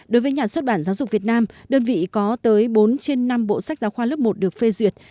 đối với nhà xuất bản giáo dục việt nam đơn vị có tới bốn trên năm bộ sách giáo khoa lớp một được phê duyệt